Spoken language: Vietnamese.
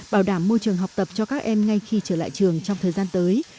bảo đảm môi trường học tập cho các em ngay khi trở lại trường trong thời gian tới